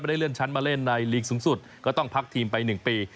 ได้เลื่อนชั้นมาเล่นในลีกสูงสุดก็ต้องพักทีมไป๑ปี